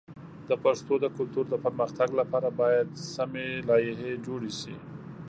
د پښتو د کلتور د پرمختګ لپاره باید سمی لایحې جوړ شي.